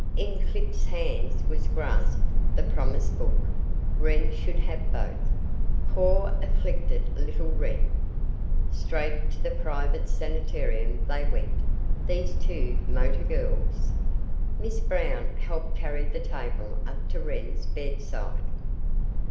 In Clip's hands was grasped the promise book Wren should have both. Poor, afflicted little Wren! Straight to the private sanitarium they went these two motor girls. Miss Brown helped carry the table up to Wren's bedside.